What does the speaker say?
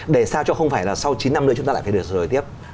để sao cho không phải là sau chín năm nữa chúng ta lại phải được rồi tiếp